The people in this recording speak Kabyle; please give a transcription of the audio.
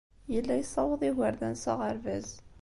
Yella yessawaḍ igerdan s aɣerbaz.